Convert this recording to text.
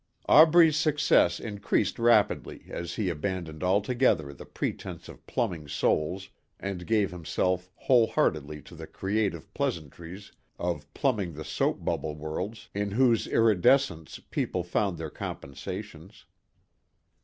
Aubrey's success increased rapidly as he abandoned altogether the pretence of plumbing souls and gave himself whole heartedly to the creative pleasantries of plumbing the soap bubble worlds in whose irridescence people found their compensations.